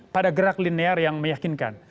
pada gerak linear yang meyakinkan